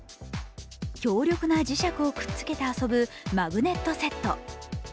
強力な磁石をくっつけて遊ぶマグネットセット。